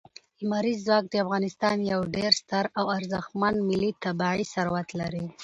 لمریز ځواک د افغانستان یو ډېر ستر او ارزښتمن ملي طبعي ثروت دی.